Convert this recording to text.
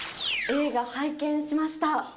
映画、拝見しました。